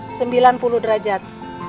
oke nanti dibantu oleh pak al